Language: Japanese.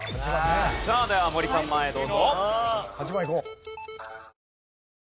さあでは森さん前へどうぞ。